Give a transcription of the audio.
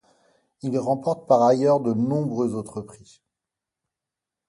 Il remporte par ailleurs de nombreux autres prix.